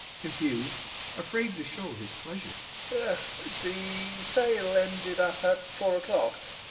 [Confused, afraid to show his pleasure] The sale ended up at four o'clock....